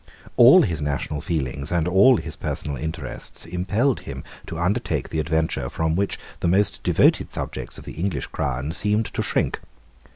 All his national feelings and all his personal interests impelled him to undertake the adventure from which the most devoted subjects of the English crown seemed to shrink.